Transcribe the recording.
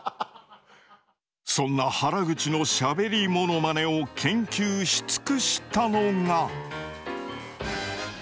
そんな原口のしゃべりモノマネを研究し尽くしたのが。